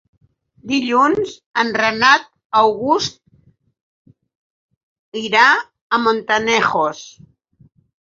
Dilluns en Renat August irà a Montanejos.